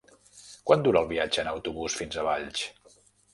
Quant dura el viatge en autobús fins a Valls?